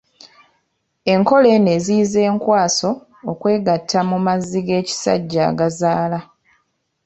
Enkola eno eziyiza enkwaso okwegatta mu mazzi g’ekisajja agazaala.